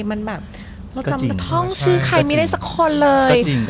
มันแบบเราจำท่องชื่อใครไม่ได้สักคนเลย